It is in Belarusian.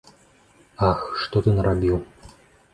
Ах, што ты нарабіў!